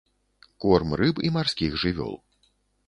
Корм рыб і марскіх жывёл.